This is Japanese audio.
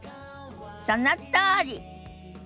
そのとおり！